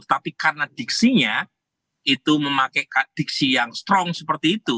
tapi karena diksinya itu memakai diksi yang strong seperti itu